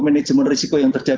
manajemen risiko yang terjadi